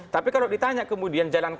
tapi kalau ditanya kemudian jalan